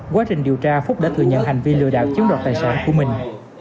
quá trình điều tra phúc đã thừa nhận hành vi lừa đảo chiếm đoạt tài sản của mình